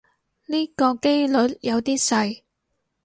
呢個機率有啲細